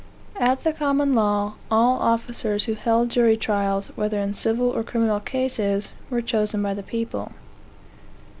At the common law, all officers who held jury trials, whether in civil or criminal cases, were chosen by the people.